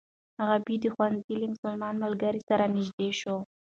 غابي د ښوونځي له مسلمان ملګري سره نژدې شو.